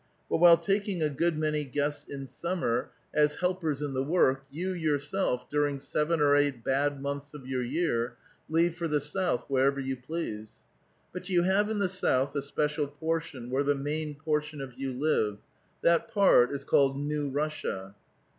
But while taking a good many guests in summer as helpers in 882 A VITAL QUESTION. the work, you, yourself, during seven or eight bad months of your year, leave for the south wherever yftu please. But you have in the south a special portion where the main lX)rtion of you live. That part is called New Russia."